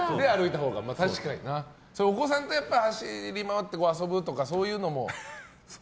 お子さんと走り回って遊ぶとかそういうのも。